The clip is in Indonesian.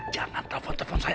jangan telepon telepon saya